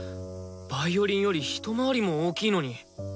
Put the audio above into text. ヴァイオリンより一回りも大きいのに！